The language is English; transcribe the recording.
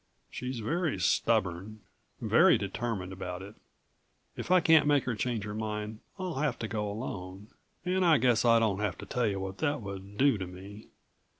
She's very stubborn, very determined about it. If I can't make her change her mind I'll have to go alone. And I guess I don't have to tell you what that would do to me.